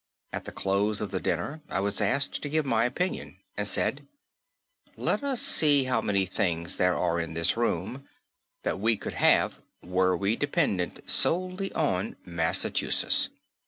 At the close of the dinner I was asked to give my opinion and said: "Let us see how many things there are in this room that we could have were we dependent solely on Massachusetts.